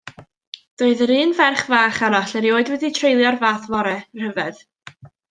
Doedd yr un ferch fach arall erioed wedi treulio'r fath fore rhyfedd.